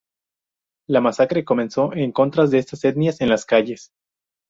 La masacre comenzó en contras de estas etnias en las calles.